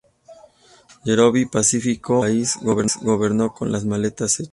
Yerovi, pacificó al país, gobernó con las maletas hechas.